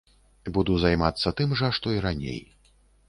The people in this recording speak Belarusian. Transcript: Буду займацца тым жа, што і раней.